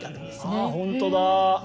ああほんとだ！